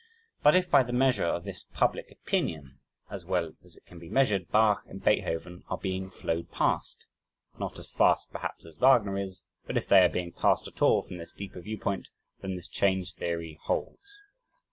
But if by the measure of this public opinion, as well as it can be measured, Bach and Beethoven are being flowed past not as fast perhaps as Wagner is, but if they are being passed at all from this deeper viewpoint, then this "change" theory holds.